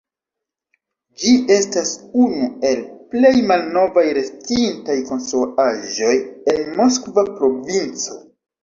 Ĝi estas unu el plej malnovaj restintaj konstruaĵoj en Moskva provinco.